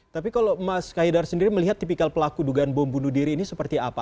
tapi kalau mas kahidar sendiri melihat tipikal pelaku dugaan bom bunuh diri ini seperti apa